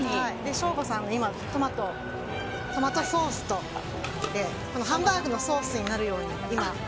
省吾さんは今トマトソースをとってハンバーグのソースになるように。